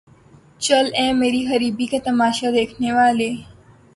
چل اے میری غریبی کا تماشا دیکھنے والے